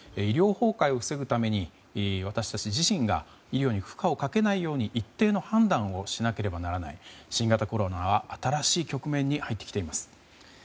医療崩壊を防ぐために私たち自身が医療に負荷をかけないように一定の判断をしなければならない新型コロナは新しい局面に入ってきています。